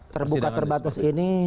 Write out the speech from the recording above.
terbuka terbatas ini